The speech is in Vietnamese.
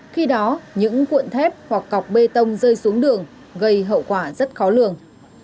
khi đó những cuộn thép hoặc cọc bê tông rơi xuống đường gây hậu quả rất khó lường